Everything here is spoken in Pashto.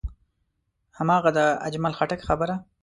هماغه د اجمل خټک خبره.